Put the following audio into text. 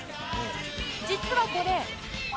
実はこれ